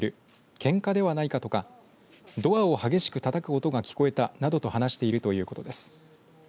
けんかではないかとかドアを激しくたたく音が聞こえたなどと話しているということです。